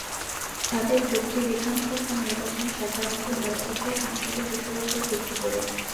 তাদের যুক্তি বিধানসভা নির্বাচন সাধারণত হয়ে থাকে আঞ্চলিক ইস্যুর ওপর ভিত্তি করে।